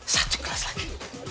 satu kelas lagi